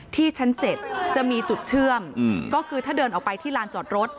ที่ชั้น๗จะมีจุดเชื่อมก็คือถ้าเดินออกไปที่ลานจอดรถ